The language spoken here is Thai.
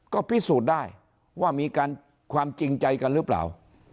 ก็พิสูจน์ได้ว่ามีการความจริงใจกันหรือเปล่า